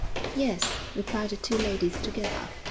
'Yes,' replied the two ladies together.